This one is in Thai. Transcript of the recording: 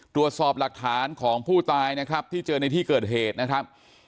ตรวจสอบหลักฐานของผู้ตายนะครับที่เจอในที่เกิดเหตุนะครับ